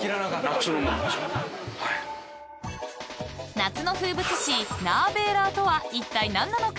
［夏の風物詩ナーベーラーとはいったい何なのか？］